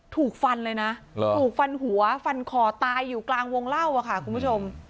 ถูกฟันเลยนะถูกฟันหัวฟันคอตายอยู่กลางวงเล่าค่ะคุณผู้ชม